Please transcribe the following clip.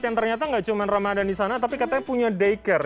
yang ternyata gak cuma ramadan di sana tapi katanya punya daycare